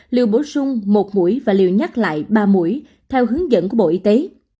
liều bổ sung một mũi và liều nhắc lại ba mũi theo hướng dẫn của bộ y tế